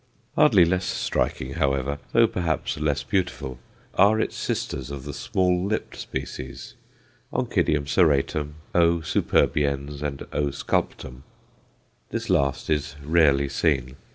Hardly less striking, however, though perhaps less beautiful, are its sisters of the "small lipped" species Onc. serratum, O. superbiens, and O. sculptum. This last is rarely seen.